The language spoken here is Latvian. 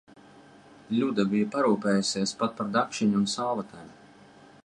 Ļuda bija parūpējusies pat par dakšiņu un salvetēm.